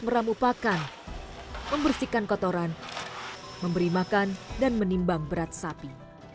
meramupakan membersihkan kotoran memberi makan dan menimbang berat sapi